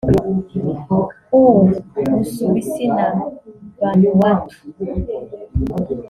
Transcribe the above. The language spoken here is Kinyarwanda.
u Busuwisi na Vanuatu